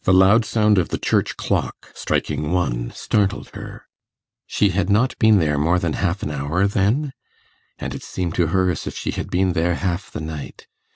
The loud sound of the church clock, striking one, startled her. She had not been there more than half an hour, then? And it seemed to her as if she had been there half the night.